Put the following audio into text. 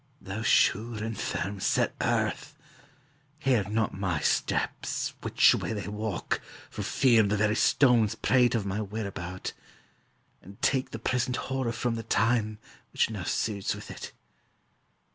Thou sure and firm set earth, Hear not my steps, which way they walk, for fear The very stones prate of my whereabout, And take the present horror from the time, Which now suits with it.